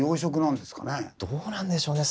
どうなんでしょうね